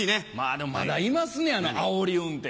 でもまだいますねあおり運転。